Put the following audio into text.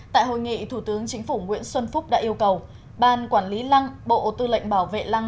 tại hội nghị thủ tướng chính phủ nguyễn xuân phúc đã yêu cầu ban quản lý lăng bộ tư lệnh bảo vệ lăng